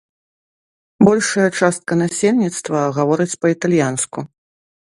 Большая частка насельніцтва гаворыць па-італьянску.